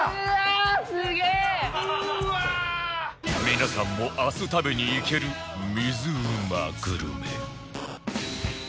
皆さんも明日食べに行ける水うまグルメ